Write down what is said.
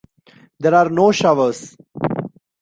There are no showers.